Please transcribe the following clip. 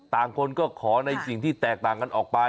คนก็ขอในสิ่งที่แตกต่างกันออกไป